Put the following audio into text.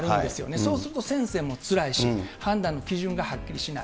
そうすると先生もつらいし、判断の基準がはっきりしない。